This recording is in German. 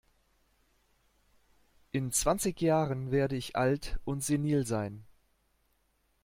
In zwanzig Jahren werde ich alt und senil sein.